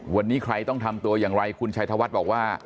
วันนี้ใครต้องทำตัวอย่างไรคุณชัยธวัฒน์บอกว่า